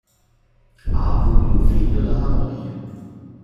Ha avuto un figlio dalla moglie.